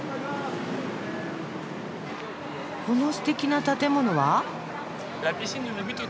このすてきな建物は？